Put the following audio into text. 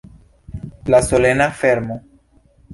La solena fermo.